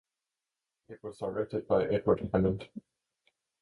It was directed by Edward Hammond.